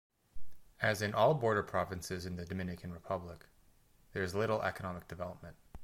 As in all border provinces in the Dominican Republic, there is little economic development.